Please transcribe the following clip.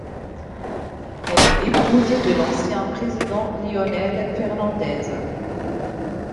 Elle est l'épouse de l'ancien président Leonel Fernández.